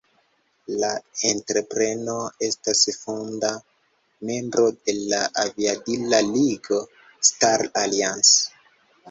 La entrepreno estas fonda membro de la aviadila ligo "Star Alliance".